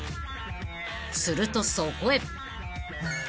［するとそこへ］